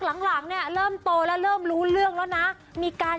หลังหลังเนี่ยเริ่มโตแล้วเริ่มรู้เรื่องแล้วนะมีการ